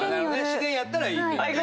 自然やったらいいと。